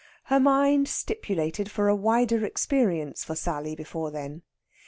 Her mind stipulated for a wider experience for Sally before then.